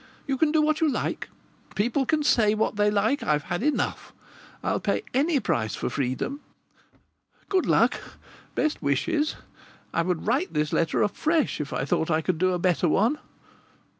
You can do what you like. People can say what they like. I've had enough. I'll pay any price for freedom. Good luck. Best wishes. I would write this letter afresh if I thought I could do a better one.